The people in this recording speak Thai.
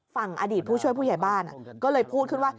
ฝั่งอดีตผู้ช่วยผู้ใหญ่บ้านก็เลยพูดขึ้นว่า